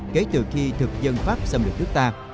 kể từ khi thực dân pháp xâm lược nước ta